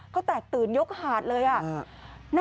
เขาแตกตื่นยกหาดเลยหน้าตัวเกิดขึ้นที่จังหวัด